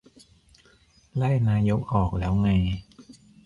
ไล่นายกออกแล้วไง ?